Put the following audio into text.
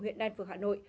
huyện đan phượng hà nội